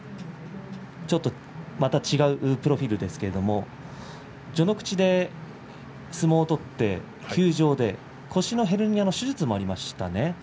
違うプロフィールですけれど序ノ口で相撲を取って休場で、腰のヘルニアの手術もありましたね。